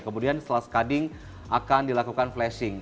kemudian setelah cutting akan dilakukan flashing